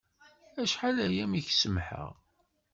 Acḥal-aya mi k-semḥeɣ.